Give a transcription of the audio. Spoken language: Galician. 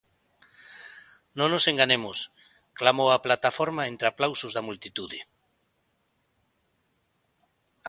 "Non nos enganemos", clamou a plataforma entre aplausos da multitude.